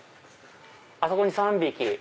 あそこに３匹。